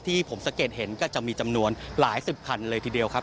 ที่ผมสังเกตเห็นก็จะมีจำนวนหลายสิบคันเลยทีเดียวครับ